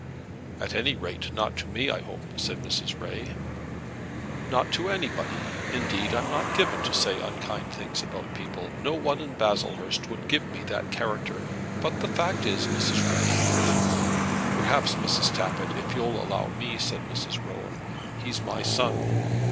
"At any rate not to me, I hope," said Mrs. Ray. "Not to anybody. Indeed I'm not given to say unkind things about people. No one in Baslehurst would give me that character. But the fact is, Mrs. Ray " "Perhaps, Mrs. Tappitt, you'll allow me," said Mrs. Rowan. "He's my son."